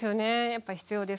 やっぱ必要です。